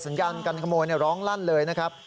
สัญญาการขโมยร้องลั่นเลยนะครับ